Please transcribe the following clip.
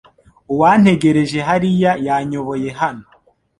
uwantegereje hariya yanyoboye hano